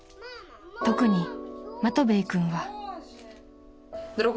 ［特にマトヴェイ君は］